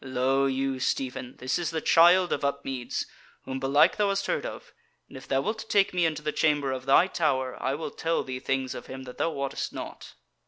Lo you, Stephen, this is the Child of Upmeads, whom belike thou hast heard of; and if thou wilt take me into the chamber of thy tower, I will tell thee things of him that thou wottest not."